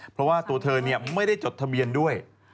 เพราะว่าตัวเธอไม่ได้จดทะเบียนด้วย